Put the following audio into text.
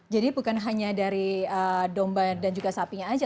jadi bukan hanya dari domba dan juga sapinya aja